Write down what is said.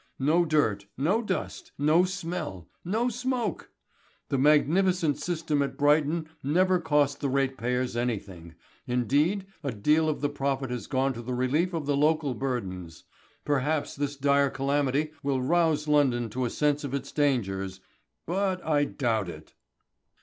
No dirt, no dust, no smell, no smoke! The magnificent system at Brighton never cost the ratepayers anything, indeed a deal of the profit has gone to the relief of the local burdens. Perhaps this dire calamity will rouse London to a sense of its dangers but I doubt it."